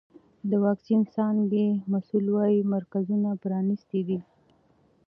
د واکسین د څانګې مسؤل وایي مرکزونه پرانیستي دي.